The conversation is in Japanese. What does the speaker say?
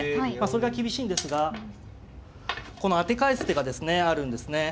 それが厳しいんですがこの当て返す手があるんですね。